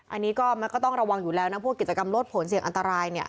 อันนี้ก็มันก็ต้องระวังอยู่แล้วนะพวกกิจกรรมลดผลเสี่ยงอันตรายเนี่ย